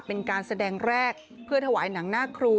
เป็นการแสดงแรกเพื่อถวายหนังหน้าครู